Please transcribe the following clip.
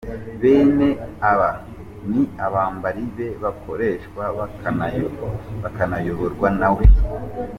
Bene aba ni abambari be bakoreshwa bakanayoborwa na we.